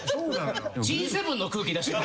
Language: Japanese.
Ｇ７の空気出して。